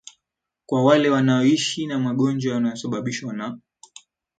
kwa wale wanaoishi na magonjwa yanayosababishwa na